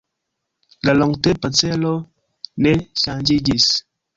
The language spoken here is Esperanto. La longtempa celo ne ŝanĝiĝis.